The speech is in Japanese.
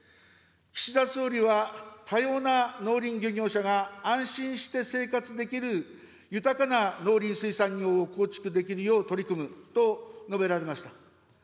岸田総理は、多様な農林漁業者が安心して生活できる豊かな農林水産業を構築できるよう取り組むと述べられました。